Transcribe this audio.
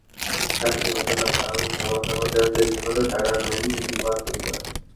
Clinic কর্তৃপক্ষ টাকা দিয়ে ঘটনা ধামাচাপা দেওয়ার চেষ্টা করলেও টাকা নেননি রুপার পরিবার।